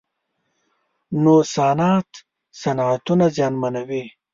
نوسانات صنعتونه زیانمنوي.